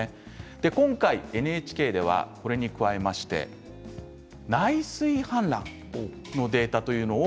今回ＮＨＫではこれに加えまして内水氾濫のデータというのを